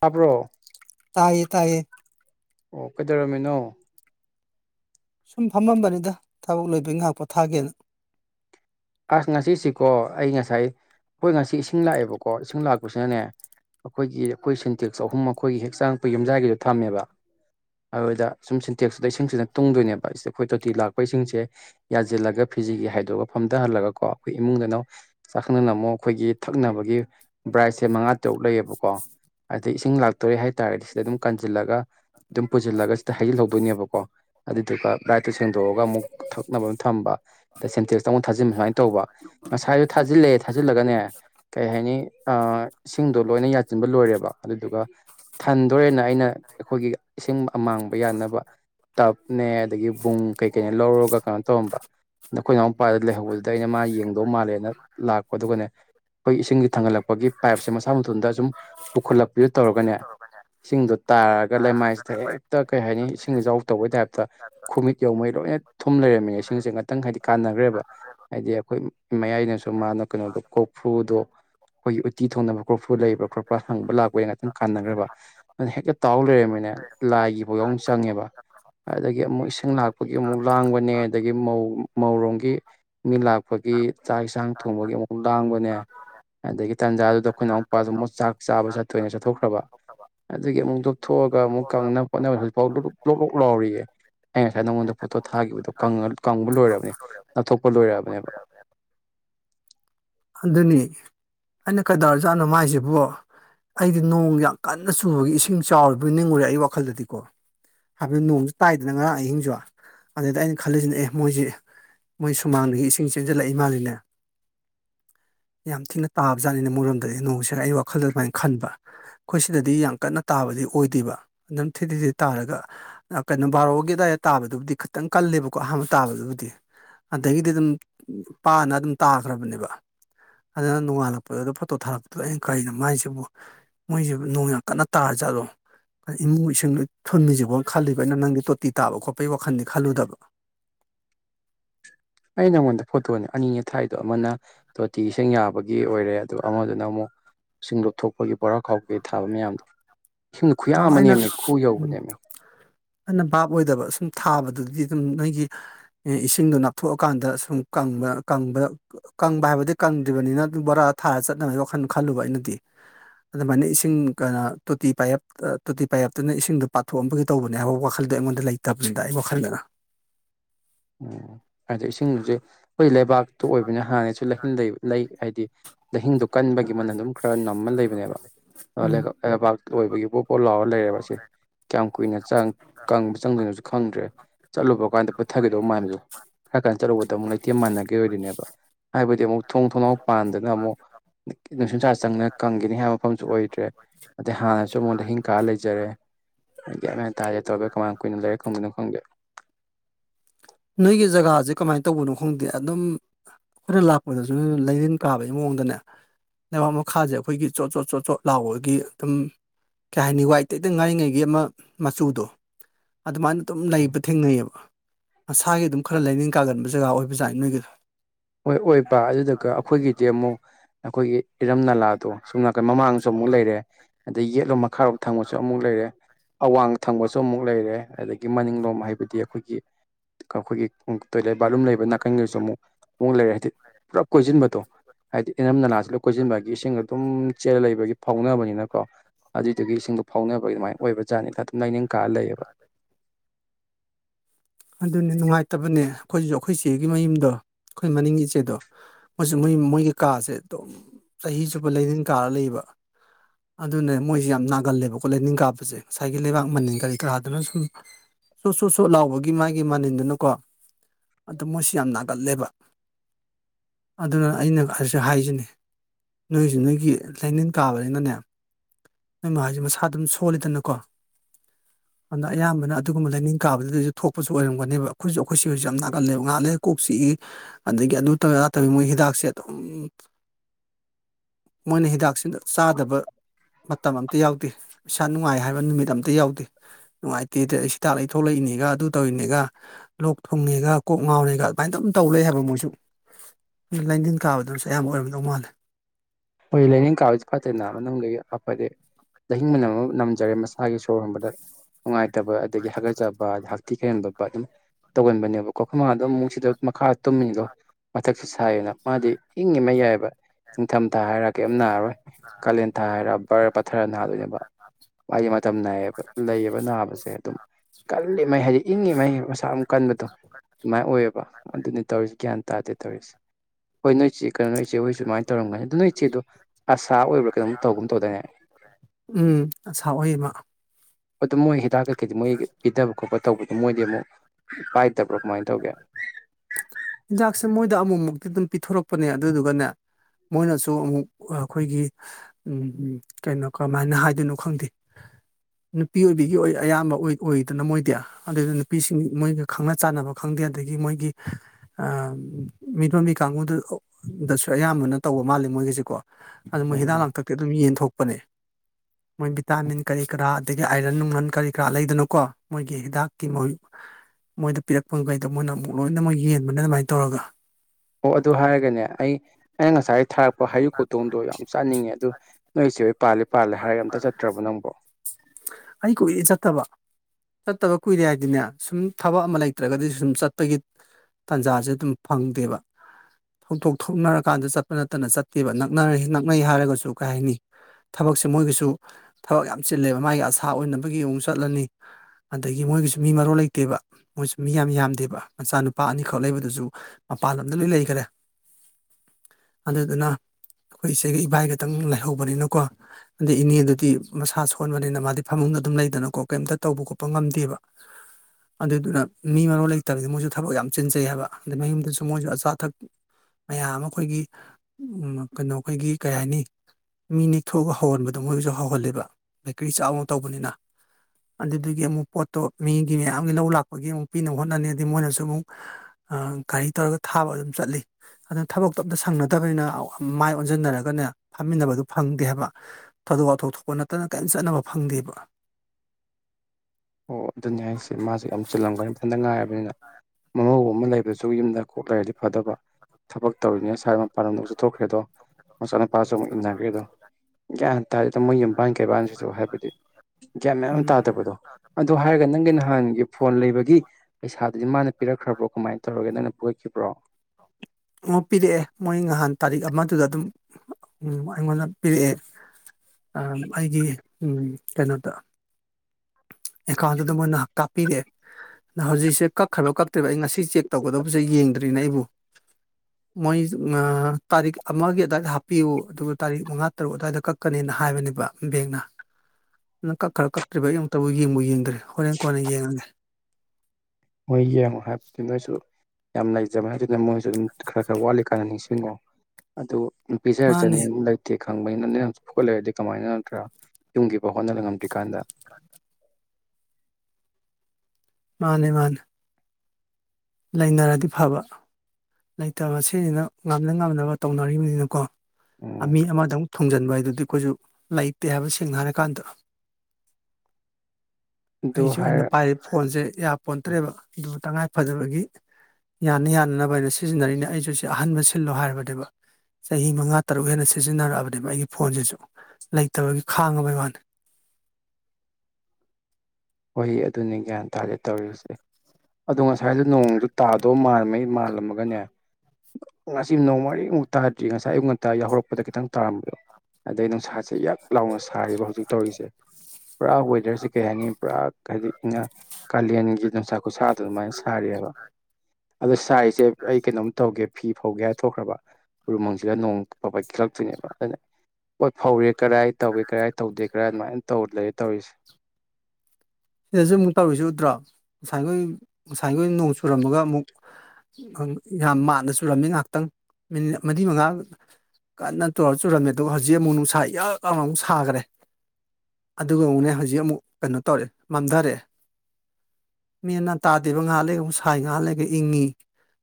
ꯇꯥꯕ꯭ꯔꯣ ꯇꯌꯦꯌꯦ ꯇꯥꯏꯌꯦ ꯑꯣ ꯀꯩꯗꯧꯔꯝꯃꯤꯅꯣ ꯁꯨꯝ ꯐꯝꯃꯝꯕꯅꯤꯗ ꯊꯕꯛ ꯂꯣꯏꯕꯒꯤ ꯉꯥꯏꯍꯥꯛꯄꯣ ꯊꯥꯒꯦꯅ ꯑꯁ ꯉꯁꯤꯁꯤꯀꯣ ꯑꯩ ꯉꯁꯥꯏ ꯍꯈꯣꯏ ꯉꯁꯤ ꯏꯁꯤꯡ ꯂꯥꯛꯑꯦꯕꯀꯣ ꯏꯁꯤꯡ ꯂꯥꯛꯄꯁꯤꯅꯅꯦ ꯑꯩꯈꯣꯏꯒꯤ ꯑꯩꯈꯣꯏ ꯁꯤꯟꯇꯦꯛꯁ ꯑꯍꯨꯝ ꯑꯩꯈꯣꯏꯒꯤ ꯍꯦꯛ ꯆꯥꯡꯛꯄ ꯌꯨꯝꯖꯥꯒꯤꯗꯣ ꯊꯝꯃꯦꯕ ꯑꯗꯨꯗ ꯁꯨꯝ ꯁꯤꯟꯇꯦꯛꯁꯇꯨꯗ ꯏꯁꯤꯡꯁꯤꯅ ꯇꯨꯡꯗꯣꯏꯅꯦꯕꯦ ꯑꯩꯈꯣꯏ ꯇꯣꯇꯤ ꯂꯥꯛꯄ ꯏꯁꯤꯡꯁꯦ ꯌꯥꯁꯤꯜꯂꯒ ꯐꯤꯖꯤꯒꯤ ꯍꯥꯏꯗꯨꯑꯒ ꯐꯐꯝ ꯊꯊꯍꯜꯂꯒꯀꯣ ꯑꯩꯈꯣꯏ ꯏꯃꯨꯡꯗꯅ ꯆꯥꯛꯈꯪꯗꯅ ꯑꯃꯨꯛ ꯑꯩꯈꯣꯏꯒꯤ ꯊꯛꯅꯕꯒꯤ ꯕ꯭ꯔꯥꯏꯠꯁꯦ ꯃꯉꯥ ꯇꯔꯨꯛ ꯂꯩꯌꯦꯕꯀꯣ [unintelligible] ꯑꯗꯩ ꯏꯁꯤꯡ ꯂꯥꯛꯇꯣꯔꯦ ꯍꯥꯏꯇꯥꯥꯔꯗꯤ ꯁꯤꯗ ꯑꯗꯨꯝ ꯀꯥꯟꯁꯤꯜꯂꯒ ꯑꯗꯨꯝ ꯄꯨꯁꯤꯜꯂꯒ ꯁꯤꯗ ꯍꯩꯖꯤꯜꯍꯧꯗꯣꯏꯅꯦꯕꯀꯣ ꯑꯗꯨ ꯑꯗꯨꯒ ꯔꯥꯏ ꯁꯦꯡꯗꯣꯛꯑꯒ ꯑꯃꯨꯛ ꯊꯛꯅꯕ ꯊꯝꯕꯇꯨ ꯊꯥꯖꯤꯟ ꯁꯨꯃꯥꯏꯅ ꯇꯧꯕ ꯉꯁꯥꯏꯗꯣ ꯊꯥꯖꯤꯜꯂꯑꯦ ꯊꯥꯖꯤꯜꯂꯒꯅꯦ ꯀꯩ ꯍꯥꯏꯅꯤ ꯑ ꯏꯁꯤꯡꯗꯣ ꯂꯣꯏꯅ ꯌꯥꯁꯤꯟꯕ ꯂꯣꯏꯔꯦꯕ ꯑꯗꯨꯗꯨꯒ ꯊꯟꯗꯣꯔꯦꯅ ꯑꯩꯅ ꯑꯩꯈꯣꯏꯒꯤ ꯏꯁꯤꯡ ꯑꯃꯥꯡꯕ ꯌꯥꯅꯕ ꯇꯞꯅꯦ ꯑꯗꯒꯤ ꯕꯨꯡ ꯀꯩꯀꯩꯩꯅ ꯂꯧꯔꯒ ꯀꯩꯅꯣ ꯇꯧꯔꯝꯕ ꯅꯈꯣꯏꯅ ꯑꯃꯨ ꯏꯄꯥꯗ ꯂꯩꯍꯧꯕꯗꯨꯗ ꯑꯩꯅ ꯃꯥ ꯌꯦꯡꯗꯧ ꯃꯥꯜꯂꯦꯅ ꯂꯥꯛꯄ ꯑꯗꯨꯒꯅꯦ ꯑꯩꯈꯣꯏ ꯏꯁꯤꯡꯒꯤ ꯊꯥꯡꯒꯠꯂꯛꯄꯒꯤ ꯄꯥꯏꯞꯁꯦ ꯃꯁꯥ ꯃꯊꯟꯗ ꯑꯁꯨꯝ ꯄꯨꯈꯠꯂꯛꯄꯤꯗꯨ ꯇꯧꯔꯒꯅꯦ ꯏꯁꯤꯡꯗꯣ ꯇꯥꯔꯒ ꯂꯩꯃꯥꯏꯁꯤꯗ ꯍꯦꯛꯇ ꯀꯩ ꯍꯥꯏꯅꯤ ꯏꯁꯤꯡ ꯏꯆꯎ ꯇꯧꯕꯩ ꯇꯥꯏꯞꯇ ꯈꯨꯃꯤꯠ ꯌꯧꯉꯩ ꯂꯣꯏꯅ ꯊꯨꯝ ꯂꯩꯔꯝꯃꯤꯃꯦꯅꯦ ꯏꯁꯤꯡꯁꯦ ꯉꯥꯛꯇꯪ ꯍꯥꯏꯗꯤ ꯀꯥꯟꯅꯈ꯭ꯔꯦꯕ ꯍꯥꯏꯗꯤ ꯑꯩꯈꯣꯏ ꯃꯌꯥꯏꯅꯁꯨ ꯃꯥꯅ ꯀꯩꯅꯣꯗꯣ ꯀꯣꯔꯐꯨꯗꯣ ꯑꯩꯈꯣꯏꯒꯤ ꯎꯇꯤ ꯊꯣꯡꯅꯕ ꯈꯣꯛꯐꯨ ꯂꯩꯕ꯭ꯔ ꯈꯠꯄ ꯍꯪꯕ ꯂꯥꯛꯄꯩꯅ ꯉꯥꯛꯇꯪ ꯀꯥꯟꯅꯈ꯭ꯔꯕ ꯑꯗꯨꯅ ꯍꯦꯛꯇ ꯇꯥꯎ ꯂꯩꯔꯅꯤꯅ ꯂꯥꯏꯒꯤꯐꯥꯎ ꯑꯃ ꯆꯪꯉꯦꯕ ꯑꯗꯒꯤ ꯑꯃꯨꯛ ꯏꯁꯤꯡ ꯂꯥꯛꯄꯒꯤ ꯑꯃꯨꯛ ꯂꯥꯡꯕꯅꯦ ꯑꯗꯒꯤ ꯃꯧꯔꯣꯡꯒꯤ ꯃꯤ ꯂꯥꯛꯄꯒꯤ ꯆꯥꯛ ꯌꯦꯁꯥꯡ ꯊꯣꯡꯕꯒꯤ ꯑꯃꯨꯛ ꯂꯥꯡꯕꯅꯦ ꯑꯗꯒꯤ ꯇꯥꯟꯖꯥꯗꯨꯗ ꯑꯩꯈꯣꯏꯅ ꯑꯃꯨꯛꯄꯥꯗ ꯃꯣꯠ ꯆꯥꯛ ꯆꯥꯕ ꯆꯠꯇꯣꯏꯅ ꯆꯠꯊꯣꯛꯈ꯭ꯔꯕ ꯑꯗꯨꯒꯤ ꯑꯃꯨꯛ ꯂꯣꯛꯞꯊꯣꯛꯑꯒ ꯑꯃꯨꯛ ꯀꯪꯅꯕ ꯍꯣꯠꯅꯕ ꯍꯧꯖꯤꯛꯐꯥꯎ ꯂꯣꯛ ꯂꯣꯛ ꯂꯥꯎꯔꯤꯑ ꯑꯩ ꯉꯁꯥꯏ ꯅꯪꯉꯣꯟꯗ ꯐꯣꯇꯣ ꯊꯥꯈꯤꯕꯗꯣ ꯀꯪꯕ ꯂꯣꯏꯔꯕꯅꯤ ꯅꯥꯊꯣꯛꯄ ꯂꯣꯏꯔꯛꯑꯕꯅꯦꯕ ꯑꯗꯨꯅꯤ ꯑꯩꯅ ꯀꯩꯗꯧꯔꯖꯥꯠꯅꯣ ꯃꯥꯏꯁꯤꯕꯣ ꯑꯩꯗꯤ ꯅꯣꯡ ꯌꯥꯝ ꯀꯟꯅ ꯆꯨꯕꯒꯤ ꯏꯁꯤꯡ ꯆꯥꯎꯗꯨ ꯅꯤꯡꯉꯨꯔꯦ ꯑꯩ ꯋꯥꯈꯜꯗꯗꯤꯀꯣ ꯍꯥꯏꯕꯗꯤ ꯅꯣꯡꯁꯨ ꯇꯥꯏꯗꯅ ꯉꯔꯥꯡ ꯑꯍꯤꯡꯁꯨ ꯑꯗꯨꯗ ꯑꯩꯅ ꯈꯜꯂꯤꯁꯤꯅꯦ ꯑꯦ ꯃꯣꯏꯁꯤ ꯃꯣꯏ ꯁꯨꯃꯥꯡꯗꯒꯤ ꯏꯁꯤꯡ ꯆꯦꯟꯁꯤꯜꯂꯛꯏ ꯃꯥꯥꯜꯂꯤꯅ [unintelligible] ꯌꯥꯝ ꯊꯤꯅ ꯇꯥꯕꯖꯥꯠꯅꯤꯅ ꯃꯣꯏꯔꯣꯝꯗꯗꯤ ꯅꯣꯡꯁꯤꯔ ꯑꯩꯒꯤ ꯋꯥꯈꯜꯗ ꯑꯗꯨꯃꯥꯏꯅ ꯈꯟꯕ ꯑꯩꯈꯣꯏ ꯁꯤꯗꯗꯤ ꯌꯥꯝ ꯀꯟꯅ ꯇꯥꯕꯗꯤ ꯑꯣꯏꯗꯦꯕ ꯑꯗꯨꯝ ꯊꯤ ꯊꯤꯠ ꯇꯥꯔꯒ ꯀꯩꯅꯣ ꯕꯥꯔꯣꯒꯤ ꯑꯗꯨꯋꯥꯏꯗ ꯇꯥꯕꯗꯨꯕꯨꯗꯤ ꯈꯤꯇꯪ ꯀꯜꯂꯦꯕꯀꯣ ꯑꯍꯥꯟꯕ ꯇꯥꯕꯗꯨꯕꯨꯗꯤ ꯑꯗꯒꯤꯗꯤ ꯑꯗꯨꯝ ꯄꯥꯅ ꯑꯗꯨꯝ ꯇꯥꯈ꯭ꯔꯕꯅꯦꯕ [unintelligible] ꯑꯗꯨꯅ ꯅꯣꯡꯉꯥꯜꯂꯛꯄꯗꯨꯗ ꯐꯣꯇꯣ ꯊꯥꯔꯛꯄꯗꯨꯗ ꯑꯩꯅ ꯀꯩꯅꯣ ꯃꯥꯏꯁꯤꯕꯨ ꯃꯣꯏꯁꯤꯦ ꯅꯣꯡ ꯌꯥꯝ ꯀꯟꯅ ꯇꯥꯔꯖꯥꯠꯂꯣ ꯏꯃꯨꯡ ꯏꯁꯤꯡꯗꯣꯏ ꯊꯨꯃꯤꯁꯤꯕꯣ ꯈꯜꯂꯤꯕ ꯑꯩꯅ ꯅꯪꯒꯤ ꯇꯣꯇꯤ ꯇꯥꯕ ꯈꯣꯠꯄꯒꯤ ꯋꯥꯈꯜꯗꯤ ꯈꯜꯂꯨꯗꯕ [unintelligible] ꯑꯩ ꯅꯉꯣꯟꯗ ꯐꯣꯇꯣꯅꯦ ꯑꯅꯤ ꯑ ꯊꯥꯏꯗꯣ ꯑꯃꯅ ꯇꯣꯇꯤꯁꯤꯡ ꯌꯥꯕꯒꯤ ꯑꯣꯏꯔꯦ ꯑꯗꯣ ꯑꯃꯗꯨꯅ ꯑꯃꯨꯛ ꯁꯤꯡꯗꯞ ꯊꯣꯛꯄꯒꯤ ꯕꯣꯔꯥ ꯀꯥꯎꯀꯩ ꯊꯥꯕ ꯃꯌꯥꯝꯗ ꯑꯣ ꯑꯩꯅ ꯎꯝ ꯑꯩꯅ ꯚꯥꯞ ꯑꯣꯏꯗꯕ ꯁꯨꯝ ꯊꯥꯕꯗꯣ ꯑꯗꯨꯗꯤ ꯑꯗꯨꯝ ꯅꯣꯏꯒꯤ ꯏꯁꯤꯡꯗꯣ ꯅꯥꯞꯊꯣꯛꯑꯀꯥꯟꯗ ꯁꯨꯝ ꯀꯪꯕ ꯀꯪꯕ ꯀꯪꯕ ꯍꯥꯏ ꯍꯥꯏꯕꯗꯤ ꯀꯪꯗ꯭ꯔꯤꯕꯅꯤꯅ ꯕꯣꯔꯥ ꯊꯥꯔ ꯆꯠꯅꯕꯒꯤ ꯋꯥꯈꯜ ꯈꯜꯂꯨꯕ ꯑꯩꯅꯗꯤ ꯑꯗꯨꯃꯥꯏꯅ ꯏꯁꯤꯡ ꯀꯩꯅꯣ ꯇꯣꯇꯤ ꯄꯥꯏꯌꯦꯞ ꯇꯣꯇꯤ ꯄꯥꯏꯌꯞꯇꯨꯅ ꯏꯁꯤꯡꯗꯣ ꯄꯥꯊꯣꯛꯑꯝꯕꯒꯤ ꯇꯧꯕꯅꯦ ꯍꯥꯏꯕ ꯋꯥꯈꯜꯗꯣ ꯑꯩꯉꯣꯟꯗ ꯂꯩꯇꯕꯅꯤꯗ ꯑꯩ ꯋꯥꯈꯜꯗꯅ [unintelligible] ꯎꯝ ꯑꯗꯣ ꯏꯁꯤꯡꯗꯨꯁꯨꯦ ꯑꯩꯈꯣꯏ ꯂꯩꯕꯥꯛꯇꯨ ꯑꯣꯏꯕꯅꯤ ꯍꯥꯟꯅꯁꯨ ꯂꯩ ꯂꯩ ꯂꯩ ꯍꯥꯏꯗꯤ ꯂꯍꯤꯡꯗꯣ ꯀꯟꯕꯒꯤ ꯃꯅꯟ ꯑꯗꯨꯝ ꯈꯔ ꯅꯝꯃ ꯂꯩꯕꯅꯦꯕ ꯎꯝ ꯕꯥꯛ ꯑꯣꯏꯕꯒꯤꯕꯨ ꯄꯣꯠ ꯂꯥꯎꯔ ꯂꯩꯔꯦꯕꯁꯦ ꯀꯌꯥꯝ ꯀꯨꯏꯅꯪꯪꯕ ꯆꯪꯗꯣꯏꯅꯣꯁꯨ ꯈꯪꯗ꯭ꯔꯦ ꯆꯠꯂꯨꯕ ꯀꯥꯟꯗ ꯄꯨꯊꯒꯗꯧꯕ ꯃꯌꯥꯝꯗ ꯈꯔ ꯀꯥꯟꯅ ꯆꯠꯔꯨꯕꯗ ꯑꯃꯨꯛ ꯂꯩꯇꯦꯝ ꯃꯥꯟꯅꯒꯦ ꯑꯣꯏꯔꯤꯅꯦꯕ ꯍꯥꯏꯕꯗꯤ ꯑꯃꯨꯛ ꯊꯣꯡ ꯊꯣꯡꯅꯥꯎ ꯄꯥꯟꯗꯅ ꯑꯃꯨꯛ ꯅꯨꯡꯁꯤ ꯁꯥ ꯆꯪꯅ ꯀꯪꯈꯤꯅꯤ ꯍꯥꯏꯕ ꯃꯐꯝꯁꯨ ꯑꯣꯏꯗ꯭ꯔꯦ ꯑꯗꯩ ꯍꯥꯟꯅꯁꯨ ꯑꯩꯉꯣꯟꯗ ꯍꯤꯡ ꯀꯥ ꯂꯩꯖꯔꯦ ꯃꯥꯏꯅ ꯇꯥꯦ ꯇꯧꯔꯒꯦ ꯀꯃꯥꯏ ꯀꯨꯏꯅ ꯂꯩꯔ ꯈꯪꯗꯣꯏꯅꯣ ꯈꯪꯒꯦ ꯅꯣꯏꯒꯤ ꯖꯒꯥꯁꯦ ꯀꯃꯥꯏꯅ ꯇꯧꯕꯅꯣ ꯈꯪꯗꯦ ꯑꯗꯨꯝ ꯑꯩꯈꯣꯏꯅ ꯂꯥꯛꯄꯗꯁꯨ ꯂꯩꯥꯏꯔꯦꯟ ꯀꯥꯕꯒꯤ ꯃꯑꯣꯡꯗꯅꯦ ꯂꯩꯕꯥꯛ ꯃꯈꯥꯁꯦ ꯑꯩꯈꯣꯏꯒꯤ ꯆꯣꯠ ꯆꯣꯠ ꯆꯣꯠ ꯆꯣꯠ ꯂꯥꯎꯕꯒꯤ ꯑꯗꯨꯝ ꯀꯩ ꯍꯥꯏꯅꯤ ꯋꯥꯏ ꯇꯦꯇ ꯉꯥꯏꯔꯤꯉꯩꯒꯤ ꯑꯃ ꯃꯆꯨꯗꯣ ꯑꯗꯨꯃꯥꯏꯅ ꯑꯗꯨꯝ ꯂꯩꯕ ꯊꯦꯡꯅꯩꯑꯕ ꯃꯁꯥꯒꯤ ꯑꯗꯨꯝ ꯈꯔ ꯂꯩꯅꯤꯡ ꯀꯥꯒꯟꯕ ꯖꯒꯥ ꯑꯣꯏꯕꯖꯏ ꯅꯣꯏꯒꯤꯗꯣ ꯍꯣꯏ ꯑꯣꯏꯕ ꯑꯗꯨꯗꯨꯒ ꯑꯩꯈꯣꯏꯒꯤꯗꯤ ꯑꯃꯨꯛ ꯑꯩꯈꯣꯏꯒꯤ ꯏꯔꯝ ꯅꯂꯥꯗꯣ ꯁꯣꯝ ꯅꯥꯀꯟ ꯃꯃꯥꯡꯁꯨ ꯑꯃꯨꯛ ꯂꯩꯔꯦ ꯑꯗꯩ ꯌꯦꯠꯂꯣꯝ ꯃꯈꯥꯔꯣꯝ ꯊꯪꯕꯁꯨ ꯑꯃꯨꯛ ꯂꯩꯔꯦ ꯑꯋꯥꯡ ꯊꯪꯕꯁꯨ ꯑꯃꯨꯛ ꯂꯩꯔꯦ ꯑꯗꯒꯤ ꯃꯅꯤꯡꯂꯣꯝ ꯍꯥꯏꯕꯗꯤ ꯑꯩꯈꯣꯏꯒꯤ ꯑꯩꯈꯣꯏꯒꯤ ꯇꯣꯏꯂꯦꯠ ꯕꯥꯠꯔꯨꯝ ꯂꯩꯕ ꯅꯥꯀꯟꯒꯩꯁꯨ ꯑꯃꯨꯛ ꯃꯑꯣ ꯂꯩꯔꯦ ꯍꯥꯏꯗꯤ ꯄꯨꯂꯞ ꯀꯣꯏꯁꯤꯟꯕꯗꯣ ꯍꯥꯏꯗꯤ ꯏꯅꯝ ꯅꯅꯥꯁꯤ ꯂꯣꯏ ꯀꯣꯏꯁꯤꯟꯕ ꯏꯁꯤꯡ ꯑꯗꯨꯝ ꯆꯦꯜꯂ ꯂꯩꯕꯒꯤ ꯐꯥꯎꯅꯕꯅꯤꯅꯀꯣ ꯑꯗꯨꯏꯗꯨꯒꯤ ꯏꯁꯤꯡꯗꯣ ꯐꯥꯎꯅꯕ ꯑꯗꯨꯃꯥꯏꯅ ꯑꯣꯏꯕ ꯖꯥꯠꯅꯤꯅ ꯑꯗꯨꯝ ꯂꯥꯏꯅꯤꯡ ꯀꯥ ꯂꯩꯌꯦꯕ ꯑꯗꯨꯅꯦ ꯅꯨꯡꯉꯥꯏꯇꯕꯅꯦ ꯑꯩꯈꯣꯏꯁꯨ ꯑꯩꯈꯣꯏ ꯏꯆꯦꯒꯤ ꯃꯌꯨꯝꯗꯣ ꯑꯩꯈꯣꯏ ꯃꯅꯤꯡꯒꯤ ꯏꯆꯦꯗꯣ ꯃꯣꯏꯁꯨ ꯃꯣꯏ ꯃꯣꯏꯒꯤ ꯀꯥꯁꯦ ꯑꯗꯨꯝ ꯆꯍꯤ ꯆꯨꯞꯄ ꯂꯩꯅꯤꯡꯟ ꯀꯥꯔ ꯂꯩꯕ ꯑꯗꯨꯅ ꯃꯣꯏꯁꯦ ꯌꯥꯝ ꯅꯥꯒꯜꯂꯦꯕꯀꯣ ꯂꯥꯏꯅꯤꯡ ꯀꯥꯞꯄꯁꯦ ꯉꯁꯥꯏꯒꯤ ꯂꯩꯕꯥꯛ ꯃꯅꯤꯡ ꯀꯔꯤ ꯀꯔꯥꯗꯨꯅ ꯁꯨꯝ ꯁꯨ ꯁꯨ ꯁꯣ ꯂꯥꯎꯑꯣꯒꯦ ꯒꯤ ꯃꯥꯒꯤ ꯃꯅꯤꯟꯗꯨꯅꯀꯣ ꯑꯣ ꯃꯣꯏꯁꯤ ꯌꯥꯝ ꯅꯥꯒꯜꯂꯦꯕ ꯑꯗꯨꯅ ꯑꯩꯅ ꯍꯥꯏꯁꯨ ꯍꯥꯏꯁꯤꯅꯤ ꯅꯣꯏꯁꯨ ꯅꯣꯏꯒꯤ ꯂꯥꯏꯅꯤꯡꯜ ꯀꯥꯕꯅꯤꯅꯅꯦ ꯅ ꯍꯥꯏꯁꯦ ꯃꯁꯥ ꯑꯗꯨꯝ ꯁꯣꯜꯂꯤꯗꯅꯀꯣ ꯑꯗꯨꯅ ꯑꯌꯥꯝꯕꯅ ꯑꯗꯨꯒꯨꯝꯕ ꯂꯥꯏꯅꯤꯡ ꯀꯥꯕꯗꯁꯨ ꯊꯣꯛꯄꯁꯨ ꯑꯣꯏꯔꯝꯒꯅꯦꯕ ꯑꯩꯈꯣꯏꯁꯨ ꯑꯩꯈꯣꯏꯁꯤ ꯍꯧꯁꯨ ꯌꯥꯝ ꯅꯥꯀꯜꯂꯦꯕ ꯉꯥꯜꯂꯦ ꯀꯣꯛ ꯆꯤꯛꯏ ꯑꯗꯒꯤ ꯑꯗꯨ ꯇꯧ ꯌꯥꯠꯇꯕ ꯃꯣꯏ ꯗꯁꯤ ꯑꯗꯨ ꯎꯝ [inaudible] ꯃꯣꯏꯅ ꯍꯤꯗꯥꯛꯁꯤꯗ ꯆꯥꯗꯕ ꯃꯇꯝ ꯑꯝꯇ ꯌꯥꯎꯗꯦ ꯏꯁꯥ ꯅꯨꯡꯉꯥꯏ ꯍꯥꯏꯕ ꯅꯨꯃꯤꯠ ꯑꯝꯇ ꯌꯥꯎꯗꯦ ꯅꯨꯡꯉꯥꯏꯇꯦ ꯁꯤ ꯇꯥꯛꯂꯛꯏ ꯊꯣꯛꯂꯛꯏꯅꯦꯒ ꯑꯗꯨ ꯇꯧꯔꯤꯅꯦꯒ ꯂꯣꯛ ꯊꯨꯡꯉꯒ ꯀꯣꯛ ꯉꯥꯎꯅꯤꯒ ꯑꯗꯨꯃꯥꯏꯅ ꯑꯗꯨꯝ ꯇꯧ ꯂꯩ ꯍꯥꯏꯕ ꯃꯣꯏꯁꯨ ꯂꯥꯏꯗꯤꯟ ꯀꯥꯕꯗꯝꯁꯨ ꯑꯌꯥꯝꯕ ꯑꯣꯏꯔꯝꯗꯧ ꯃꯥꯜꯂꯦ ꯍꯣꯏ ꯂꯥꯏꯅꯤꯡ ꯀꯥꯁ ꯐꯠꯇꯅ ꯃꯅꯨꯡꯗꯒꯤ ꯍꯥꯞꯄꯗꯤ ꯂꯍꯤꯡ ꯃꯝ ꯑꯃ ꯅꯝꯖꯔꯦ ꯃꯁꯥꯒꯤ ꯁꯣꯔ ꯍꯣꯟꯕꯗ ꯅꯨꯡꯉꯥꯏꯇꯕ ꯑꯗꯒꯤ ꯍꯥꯀꯠꯆꯕ ꯀꯩꯒꯕ ꯑꯗꯨꯝ ꯇꯧꯒꯟꯕꯅꯦꯕꯀꯣꯈ ꯑꯗꯨꯝ ꯑꯃꯨꯛꯁꯤꯗ ꯃꯈꯥꯗ ꯇꯨꯝꯃꯤꯅꯤꯗꯣ ꯃꯊꯛ ꯁꯨ ꯁꯥꯏꯅ ꯃꯥꯗꯤ ꯏꯪꯉꯤ ꯃ ꯌꯥꯏꯑꯕ ꯅꯤꯡꯊꯝ ꯊꯥ ꯍꯥꯏꯔꯥ ꯀꯩꯝ ꯅꯥꯔꯣꯏ ꯀꯥꯂꯦꯟ ꯊꯥ ꯍꯥꯏꯔ ꯕꯔ ꯄꯠꯊꯔ ꯅꯥꯗꯣꯏꯅꯦꯕ ꯃꯥꯒꯤ ꯃꯇꯝ ꯅꯥꯏꯌꯦꯕ ꯂꯩꯌꯦꯕ ꯅꯥꯕꯁꯦ ꯑꯗꯨꯝ ꯀꯜꯂꯤ ꯍꯥꯏꯗꯤ ꯏꯪꯉꯤ ꯃꯍꯩ ꯃꯁꯥ ꯑꯃ ꯀꯟꯕꯗꯣ ꯑꯗꯨꯥꯏ ꯍꯣꯏꯦꯕ ꯑꯗꯨꯅꯤ ꯇꯧꯔꯤꯁꯦ ꯒ꯭ꯌꯥꯟ ꯇꯥꯗꯦ ꯇꯧꯔꯤꯁꯦ ꯍꯣꯏ ꯅꯣꯏ ꯏꯆꯦ ꯀꯩꯅꯣ ꯅꯣꯏ ꯏꯆꯦ ꯍꯣꯏ ꯁꯨꯃꯥꯏꯅ ꯇꯧꯔꯒꯅꯤ ꯑꯗꯨ ꯅꯣꯏ ꯑꯁꯥ ꯑꯣꯏꯕ꯭ꯔꯥ ꯀꯩꯅꯣ ꯇꯧꯒꯨꯝ ꯇꯧꯗꯣꯏꯅꯦ ꯎꯝ ꯑꯁꯥ ꯍꯣꯏ ꯃꯥ ꯑꯗꯨꯝ ꯃꯣꯏ ꯍꯤꯗꯥꯛ ꯀꯩꯀꯩꯗꯤ ꯃꯣꯏ ꯄꯤꯗꯕ ꯈꯣꯠꯄ ꯇꯧꯕꯗ ꯃꯣꯏꯗꯤ ꯑꯃꯨꯛ [unintelligible] ꯀꯃꯥꯏꯅ ꯇꯧꯒꯦ ꯑꯗꯨ ꯑꯃꯨꯛꯃꯨꯛꯇꯤ ꯑꯗꯨꯝ ꯄꯤꯊꯣꯔꯛꯄꯅꯦ ꯑꯗꯨꯗꯨꯒꯅꯦ ꯃꯣꯏꯅꯁꯨ ꯑꯃꯨꯛ ꯑꯩꯈꯣꯏꯒꯤ ꯀꯩꯅꯣ ꯀꯃꯥꯏꯅ ꯍꯥꯏꯗꯣꯏꯅꯣ ꯈꯪꯗꯦ ꯅꯨꯄꯤ ꯑꯣꯏꯕꯤꯒꯤ ꯑꯣꯏ ꯑꯌꯥꯝꯕ ꯑꯣꯏ ꯑꯣꯏꯗꯅ ꯃꯣꯏꯗꯤ ꯑꯗꯨꯗ ꯅꯨꯄꯤꯁꯤꯡ ꯃꯣꯏꯒ ꯈꯪꯅ ꯆꯥꯟꯅꯕ ꯈꯪꯗꯦ ꯑꯗꯒꯤ ꯃꯣꯏꯒꯤ ꯃꯤꯠꯄꯕꯤ ꯀꯥꯡꯕꯨ ꯗꯁꯨ ꯑꯌꯥꯝꯕꯅ ꯇꯧ ꯃꯥꯜꯂꯤ ꯃꯣꯏꯒꯤꯁꯤꯀꯣ ꯑꯗꯨ ꯃꯣꯏ ꯍꯤꯗꯥꯛ ꯎꯝ ꯂꯥꯡꯊꯛꯇꯤ ꯑꯗꯨꯝ ꯌꯦꯟꯊꯣꯛꯄꯅꯦ ꯃꯣꯏ ꯚꯤꯇꯥꯃꯤꯟ ꯀꯔꯤ ꯀꯔꯥ ꯑꯗꯒꯤ ꯑꯥꯏꯔꯟ ꯅꯨꯡꯂꯟ ꯀꯔꯤ ꯀꯔꯥ ꯂꯩꯗꯅꯀꯣ ꯃꯣꯏꯒꯤ ꯍꯤꯗꯥꯛꯀꯤ ꯃꯣꯏꯗ ꯄꯤꯔꯛꯄꯈꯩꯗꯣ ꯃꯣꯏꯅ ꯑꯃꯨꯛ ꯂꯣꯏꯅꯃꯛ ꯌꯦꯟꯕꯅ ꯑꯗꯨꯃꯥꯏꯅ ꯇꯧꯔꯒ ꯑꯣ ꯑꯗꯨ ꯍꯥꯏꯔꯒꯅꯦ ꯑꯩ ꯑꯩꯅ ꯉꯁꯥꯏ ꯊꯥꯔꯛꯄ ꯍꯩꯌꯨ ꯈꯨꯣꯇꯣꯡꯗꯣ ꯌꯥꯝ ꯆꯥꯅꯤꯡꯉꯦ ꯑꯗꯨ ꯅꯣꯏꯁꯦ ꯑꯩ ꯀꯨꯏꯑ ꯆꯠꯇꯕ ꯆꯠꯇꯕ ꯀꯨꯏꯔꯦ ꯍꯥꯏꯗꯤꯅꯦ ꯁꯨꯝ ꯊꯕꯛ ꯑꯃ ꯂꯩꯇ꯭ꯔꯒꯗꯤ ꯁꯨꯝ ꯆꯠꯄꯒꯤ ꯇꯥꯟꯖꯥꯁꯦ ꯑꯗꯨꯝ ꯐꯪꯗꯦꯕ ꯊꯧꯗꯣꯛ ꯊꯣꯛꯅꯔꯀꯥꯟꯗ ꯆꯠꯄ ꯅꯠꯇꯅ ꯆꯠꯇꯦꯕꯅ ꯅꯛꯅꯩ ꯍꯥꯏꯔꯒꯁꯨ ꯀꯩ ꯍꯥꯏꯅꯤ ꯊꯕꯛꯁꯦ ꯃꯣꯏꯒꯤꯁꯨ ꯊꯕꯛ ꯌꯥꯝ ꯆꯤꯜꯂꯦꯕ ꯃꯥꯒꯤ ꯑꯁꯥ ꯑꯣꯏꯅꯕꯒꯤ ꯃꯑꯣꯡ ꯆꯠꯂꯅꯤ ꯑꯗꯒꯤ ꯃꯣꯏꯒꯤꯁꯨ ꯃꯤ ꯃꯔꯣ ꯂꯩꯇꯦꯕ ꯃꯣꯏꯁꯨ ꯃꯤ ꯌꯥꯝ ꯌꯥꯝꯗꯦꯕ ꯃꯆꯥꯅꯨꯄꯥ ꯑꯅꯤꯈꯛ ꯂꯩꯕꯗꯨꯁꯨ ꯃꯄꯥꯟ ꯂꯝꯗ ꯂꯣꯏ ꯂꯩꯈ꯭ꯔꯦ [inaudible] ꯑꯗꯨꯗꯨꯅ ꯑꯩꯈꯣꯏ ꯏꯆꯦꯒ ꯏꯕꯥꯏ ꯈꯇꯪ ꯂꯩꯍꯧꯕꯅꯤꯅꯀꯣ ꯑꯗꯩ ꯏꯅꯦꯗꯨꯗꯤ ꯃꯁꯥ ꯁꯣꯟꯕꯅꯤꯅ ꯃꯥꯗꯤ ꯐꯃꯨꯡꯗ ꯑꯗꯨꯝ ꯂꯩꯗꯅꯀꯣ ꯀꯩꯝꯇ ꯇꯧꯕ ꯈꯣꯠꯄ ꯉꯝꯗꯦꯕ [inaudible] ꯑꯗꯨꯗꯨꯅ ꯃꯤ ꯃꯔꯣ ꯂꯩꯇꯕꯗꯤ ꯃꯣꯏꯁꯨ ꯊꯕꯛ ꯌꯥꯝ ꯆꯤꯟꯖꯩ ꯍꯥꯏꯕ ꯑꯗꯩ ꯃꯌꯨꯝꯗꯁꯨ ꯃꯣꯏꯁꯨ ꯑꯆꯥ ꯑꯊꯛ ꯃꯌꯥꯝ ꯑꯃ ꯑꯩꯈꯣꯏꯒꯤ ꯎ ꯀꯩꯅꯣ ꯑꯩꯈꯣꯏꯒꯤ ꯀꯩ ꯍꯥꯏꯅꯤ ꯃꯤꯅꯤ ꯊꯣꯛꯑꯒ ꯍꯧꯍꯟꯕꯗꯣ ꯃꯣꯏꯁꯨ ꯍꯧꯍꯜꯂꯦꯕ ꯕꯦꯀꯔꯤ ꯆꯥ ꯑꯃ ꯇꯧꯕꯅꯤꯅ ꯑꯗꯨꯗꯨꯒꯤ ꯑꯃꯨꯛ ꯄꯣꯠꯇꯣ ꯃꯤꯒꯤ ꯃꯌꯥꯝꯒꯤ ꯂꯧ ꯂꯥꯛꯄꯒꯤ ꯑꯃꯨꯛ ꯄꯤꯅꯕ ꯍꯣꯠꯅꯅꯤ ꯑ ꯃꯣꯏꯅꯁꯨ ꯑꯃꯨꯛ ꯒꯥꯔꯤ ꯇꯧꯔꯒ ꯊꯥꯕ ꯑꯗꯨꯝ ꯆꯠꯂꯤ ꯑꯗꯨꯅ ꯊꯕꯛꯇꯣ ꯑꯝꯇ ꯁꯪꯅꯗꯕꯅꯤꯅ ꯃꯥꯏ ꯑꯣꯟꯁꯤꯟꯅꯔꯒꯅꯦ ꯐꯝꯃꯤꯟꯅꯕꯗꯨ ꯐꯪꯗꯦ ꯍꯥꯏ ꯊꯧꯗꯣꯛ ꯋꯥꯊꯣꯛ ꯊꯣꯛꯄ ꯅꯠꯇꯅ ꯀꯔꯤꯝ ꯆꯠꯅꯕ ꯐꯪꯗꯦꯕ ꯑꯣ ꯑꯗꯨꯅꯦ ꯍꯥꯏꯁꯦ ꯃꯥꯁꯦ ꯌꯥꯝ ꯆꯤꯜꯂꯝꯒ ꯏꯊꯟꯇ ꯉꯥꯏꯔꯕꯅꯤꯅ ꯃꯅꯧ ꯑꯃ ꯂꯩꯕꯁꯨ ꯌꯨꯝꯗ ꯀꯣꯛ ꯂꯩꯔꯗꯤ ꯐꯗꯕ ꯊꯕꯛ ꯇꯧꯔꯤꯅꯦ ꯁ꯭ꯋꯥꯏ ꯃꯄꯥꯟ ꯂꯝꯗꯧ ꯆꯠꯊꯣꯛꯈ꯭ꯔꯦ ꯑꯗꯣ ꯃꯆꯥꯅꯨꯄꯥꯁꯨ ꯑꯃꯨꯛ ꯏꯟꯅꯈ꯭ꯔꯦ ꯑꯗꯣ ꯒ꯭ꯌꯥꯟ ꯇꯥꯔꯦ ꯃꯣꯏ ꯌꯨꯝꯕꯥꯥꯟ ꯀꯩꯕꯥꯜꯁꯤꯁꯨ ꯍꯥꯏꯕꯗꯤ ꯒ꯭ꯌꯥꯟ ꯃꯌꯥꯝ ꯎꯝ ꯇꯥꯗꯕꯗꯣ ꯑꯗꯣ ꯍꯥꯏꯔꯒ ꯅꯪꯒꯤ ꯅꯍꯥꯟꯒꯤ ꯐꯣꯟ ꯂꯩꯕꯒꯤ ꯄꯩꯁꯥꯗꯨꯗꯤ ꯃꯥꯅ ꯄꯤꯔꯛꯈ꯭ꯔꯕ꯭ꯔꯣ ꯀꯃꯥꯏꯅ ꯇꯧꯔ ꯇꯔꯒꯦꯗꯅ ꯄꯨꯈꯤꯕ꯭ꯔꯣ ꯑꯣ ꯄꯤꯔꯛꯑꯦ ꯃꯣꯏ ꯅꯍꯥꯟ ꯇꯥꯔꯤꯛ ꯑꯃꯗꯨꯗ ꯑꯗꯨꯝ ꯎꯝ ꯑꯩꯉꯣꯟꯗ ꯄꯤꯔꯛꯑꯦ ꯑꯩꯒꯤ ꯀꯩꯅꯣꯗ ꯑꯦꯀꯥꯎꯟꯗꯨꯗ ꯃꯣꯏꯅꯍ ꯀꯥꯞꯄꯤꯔꯦ ꯑꯗ ꯍꯧꯖꯤꯛꯁꯦ ꯀꯛꯈ꯭ꯔꯕ ꯀꯛꯇ꯭ꯔꯦꯕ ꯑꯩ ꯉꯁꯤ ꯆꯦꯛ ꯇꯧꯒꯗꯧꯕꯁꯦ ꯌꯦꯡꯗ꯭ꯔꯤꯅꯦ ꯑꯩꯕꯨ ꯃꯣꯏ ꯇꯥꯔꯤꯛ ꯑꯃꯒꯤ ꯑꯗꯨꯋꯥꯏꯗ ꯍꯥꯞꯄꯤꯌꯨ ꯑꯗꯨꯒ ꯇꯥꯔꯤꯛ ꯃꯉꯥ ꯇꯔꯨꯛ ꯑꯗꯨꯋꯥꯏꯗ ꯀꯛꯀꯅꯤꯅ ꯍꯥꯏꯕꯅꯦꯕ ꯕꯦꯡꯅ ꯅꯪ ꯀꯛ ꯈꯔ ꯀꯛꯇ꯭ꯔꯤꯕꯩ ꯑꯩꯨ ꯇꯕꯨ ꯌꯦꯡꯕꯨ ꯌꯦꯡꯗ꯭ꯔꯦ ꯍꯣꯔꯦꯟ ꯀꯣꯟꯅ ꯌꯦꯡꯉꯒꯦ ꯍꯣꯏꯒꯤ ꯑꯃꯨꯛ ꯍꯥꯏꯕ ꯅꯣꯏꯁꯨ ꯌꯥꯝ ꯂꯩꯖꯕ ꯍꯥꯏꯗꯨꯅ ꯃꯣꯏꯁꯨ ꯑꯗꯨꯝ ꯈꯔ ꯈꯔ ꯋꯥꯠꯂꯤꯀꯥꯟꯅ ꯅꯤꯡꯁꯤꯡꯉꯣ ꯑꯗꯨ ꯄꯤꯁꯥꯔ ꯆꯅꯤ ꯃꯥꯅꯤ ꯌꯦ ꯂꯥꯏ ꯈꯪꯕꯅꯤꯅ ꯅꯅꯁꯨ ꯐꯨꯠꯂꯛꯑꯗꯤ ꯀꯃꯥꯏꯅ ꯅꯠꯇ꯭ꯔ ꯌꯨꯝꯈꯤꯕ ꯍꯣꯠꯅ ꯉꯗ꯭ꯔꯤꯀꯥꯟꯗ ꯀ ꯃꯥꯅꯦ ꯃꯥꯅꯦ ꯂꯩꯅꯔꯗꯤ ꯐꯕ ꯂꯩꯇꯕ ꯁꯤꯁꯤꯅ ꯉꯥꯝꯅ ꯉꯥꯝꯅꯕ ꯇꯧꯅꯔꯤꯕꯅꯤꯅꯀꯣ ꯎꯝ ꯃꯤ ꯑꯃꯗ ꯑꯃꯨꯛ ꯊꯣꯡꯖꯤꯟꯕ ꯍꯥꯏꯗꯨꯗꯤ ꯑꯩꯈꯣꯏꯁꯨ ꯂꯩꯇꯦ ꯍꯥꯏꯕ ꯁꯦꯡꯅ ꯍꯥꯏꯔꯀꯥꯟꯗ ꯑꯗꯨ ꯑꯩꯁꯨ ꯑꯩꯅ ꯍꯥꯏꯔ ꯄꯥꯏꯔꯤꯕ ꯐꯣꯟꯁꯦ ꯌꯥ ꯄꯣꯟꯇ꯭ꯔꯦꯕ ꯑꯗꯨꯕꯨ ꯇꯉꯥꯏ ꯐꯗꯕꯒꯤ ꯌꯥꯅ ꯌꯥꯅꯅꯕ ꯍꯥꯏꯅ ꯁꯤꯖꯤꯟꯅꯔꯤꯅꯦ ꯑꯩꯁꯨ ꯁꯤ ꯑꯍꯟꯕ ꯁꯤꯜꯂꯣ ꯍꯥꯏꯔꯕꯅꯦꯕ ꯆꯍꯤ ꯃꯉꯥ ꯇꯔꯨꯛ ꯍꯦꯟꯅ ꯁꯤꯖꯤꯟꯅꯔꯛꯑꯕꯅꯦꯕ ꯑꯩꯒꯤ ꯐꯣꯟꯁꯤꯁꯨ ꯂꯩꯇꯕꯒꯤ ꯈꯥꯡꯉꯕꯩ ꯋꯥꯅꯤ [unintelligible] ꯍꯣꯏ ꯑꯗꯨꯅꯤ ꯒ꯭ꯌꯥꯟ ꯇꯥꯒꯦ ꯇꯧꯔꯤꯁꯦ ꯑꯗꯣ ꯉꯁꯥꯏꯗ ꯅꯣꯡꯗꯨ ꯇꯥꯗꯣ ꯃꯥꯜꯂꯝꯃꯦꯩ ꯃꯥꯜꯂꯝꯃꯒꯅꯦ ꯉꯁꯤ ꯅꯣꯡꯃꯔꯤꯃꯨꯛ ꯇꯥꯗ꯭ꯔꯤ ꯉꯁꯥꯏ ꯑꯌꯨꯛ ꯉꯟꯇꯥ ꯌꯥꯎꯔꯛꯄꯗ ꯈꯤꯇꯪ ꯇꯥꯔꯝꯕꯗꯣ ꯑꯗꯩ ꯅꯨꯡꯁꯥꯁꯦ ꯏꯛ ꯂꯥꯎꯅ ꯁꯥꯔꯤꯕ ꯍꯧꯖꯤꯛ ꯇꯧꯔꯤꯁꯦ ꯄꯨꯔꯥ ꯋꯦꯗꯔꯁꯦ ꯀꯩ ꯍꯥꯏꯅꯤ ꯍꯥꯏꯗꯤ ꯀꯥꯂꯦꯟꯒꯤ ꯅꯨꯡꯁꯥ ꯈꯨꯁꯥꯗꯣ ꯑꯗꯨꯃꯥꯏꯅ ꯁꯥꯔꯤꯑꯕ ꯑꯗꯣ ꯁꯥꯏꯁꯦ ꯑꯩ ꯀꯩꯅꯣꯝ ꯇꯧꯒꯦ ꯐꯤ ꯐꯧꯒꯦ ꯍꯥꯏ ꯊꯣꯛꯈ꯭ꯔꯕ ꯎꯨꯃꯪꯁꯤꯒ ꯅꯣꯡ ꯐ ꯤꯠꯂꯛꯇꯣꯏꯅꯦꯕ ꯑꯗꯨꯅ ꯍꯣꯏ ꯐꯧꯔꯦ ꯀꯔꯥꯏ ꯇꯧꯒꯦ ꯀꯔꯥꯏ ꯇꯧꯗꯦ ꯀꯔ ꯑꯗꯨꯃꯥꯏꯅ ꯇꯧ ꯂꯩꯔ ꯇꯧꯔꯤꯁꯦ ꯁꯤꯗꯁꯨ ꯑꯃꯨꯛ ꯇꯧꯔꯤꯁꯤ ꯎꯗ꯭ꯔꯣ ꯉꯁꯥꯏꯈꯣꯏ ꯉꯁꯥꯏꯈꯣꯏ ꯅꯣꯡ ꯆꯨꯔꯝꯃꯒ ꯑꯃꯨꯛ ꯌꯥꯝ ꯃꯥꯟꯅ ꯆꯨꯔꯝꯃꯤ ꯉꯥꯏꯍꯥꯛꯇꯪ ꯃꯤꯅꯤꯠ ꯃꯔꯤ ꯃꯉꯥ ꯀꯟꯅ ꯇꯨꯔ ꯆꯨꯔꯝꯃꯦ ꯑꯗꯨ ꯍꯧꯖꯤꯛ ꯑꯃꯨꯛ ꯅꯨꯡꯁꯥ ꯏ ꯀꯅ ꯑꯃꯨꯛ ꯁꯥꯈ꯭ꯔꯦ ꯑꯗꯨꯒ ꯑꯃꯨꯛꯅꯦ ꯍꯧꯖꯤꯛ ꯑꯃꯨꯛ ꯀꯩꯅꯣ ꯇꯧꯔꯦ ꯃꯝꯊꯔꯛꯑꯦ ꯃꯦꯅ ꯇꯥꯗꯦꯕ ꯉꯥꯏꯍ ꯂꯩꯒ ꯑꯃꯨ ꯁꯥꯏ ꯉꯥꯏꯍꯂꯒ ꯏꯪꯉꯤ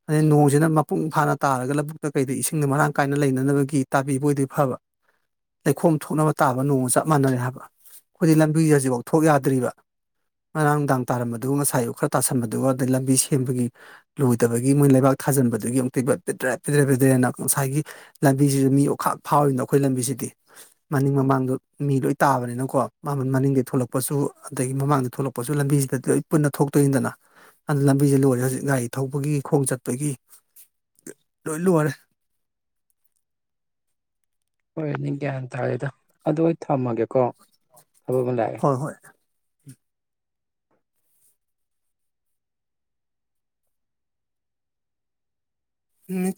ꯑꯗꯩ ꯅꯣꯡꯁꯤꯅ ꯃꯄꯨꯡ ꯐꯥꯅ ꯇꯥꯔꯒ ꯂꯧꯕꯨꯛꯇ ꯀꯩꯗ ꯏꯁꯤꯡꯗ ꯃꯔꯥꯡ ꯀꯥꯏꯅ ꯂꯩꯅꯅꯕꯒꯤ ꯇꯥꯕꯤꯕ ꯑꯣꯏꯗꯤ ꯐꯕ ꯂꯩꯈꯣꯝ ꯊꯣꯛꯅꯕ ꯇꯥꯕ ꯅꯣꯡꯃ ꯆꯞ ꯃꯥꯟꯅꯔꯦ ꯍꯥꯏꯕ ꯑꯩꯈꯣꯏꯗꯤ ꯂꯝꯕꯤꯁ ꯍꯧꯖꯤꯛꯐꯥꯎ ꯊꯣꯛ ꯌꯥꯗ꯭ꯔꯤꯕ [unintelligible] ꯉꯔꯥꯡ ꯅꯨꯡꯗꯥꯡ ꯇꯥꯔꯝꯕꯗꯨ ꯉꯁꯥꯏ ꯑꯨꯛ ꯈꯔ ꯇꯥꯁꯟꯕꯗꯨ ꯑꯗꯩ ꯂꯝꯕꯤ ꯁꯦꯝꯕꯒꯤ ꯂꯣꯏꯗꯕꯒꯤ ꯃꯣꯏ ꯂꯩꯕꯥꯛ ꯊꯥꯖꯟ ꯑꯃꯨꯤ ꯄꯤ꯭ꯔꯦ ꯄꯤ꯭ꯔꯦ ꯄꯤꯗ꯭ꯔꯦꯅ ꯉꯁꯥꯏꯒꯤ ꯂꯝꯕꯤꯁꯤꯁꯨ ꯃꯤ ꯑꯣꯈꯥꯛ ꯐꯥꯎꯔꯤꯅꯣ ꯑꯩꯈꯣꯏ ꯂꯝꯕꯤꯁꯤꯗꯤ ꯃꯅꯤꯡ ꯃꯃꯥꯡꯗꯣ ꯃꯤ ꯂꯣꯏ ꯇꯥꯕꯅꯤꯅꯀꯣ ꯃꯃꯜ ꯃꯅꯤꯡꯗꯤ ꯊꯂꯛꯄꯁꯨ ꯑꯗꯒꯤ ꯃꯃꯥꯡꯗ ꯊꯣꯛꯂꯛꯄꯁꯨ ꯂꯝꯕꯤꯁꯤꯗꯗꯤ ꯂ ꯄꯨꯟꯅ ꯊꯣꯛꯇꯣꯏꯅꯤꯗꯅ ꯂꯝꯕꯤꯁꯦ ꯂꯣꯏꯔꯦ ꯍꯧꯖꯤꯛ ꯒꯥꯔꯤ ꯊꯧꯕꯒꯤ ꯈꯣꯡ ꯆꯠꯄꯒꯤ ꯂꯣꯏꯂꯨ ꯋꯥꯔꯦ [unintelligible] ꯍꯣꯏ ꯅ ꯀꯒꯌꯥꯟ ꯇꯥꯔꯒꯦꯗ ꯑꯗꯨꯗ ꯑꯩ ꯊꯝꯃꯒꯦꯀꯣ ꯊꯕꯛ ꯑꯃ ꯂꯥꯛꯑꯦ ꯍꯣꯏ ꯍꯣꯏ ꯃ